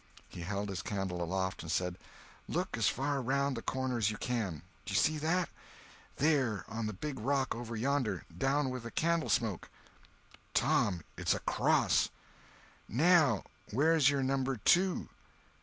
He held his candle aloft and said: "Look as far around the corner as you can. Do you see that? There—on the big rock over yonder—done with candle smoke." "Tom, it's a cross!" "Now where's your Number Two?